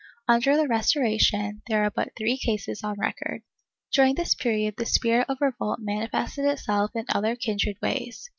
Under the Restora tion, there are but three cases on record.^ During this period the spirit of revolt manifested itself in other kindred ways.